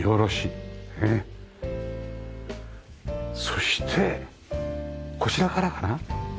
そしてこちらからかな？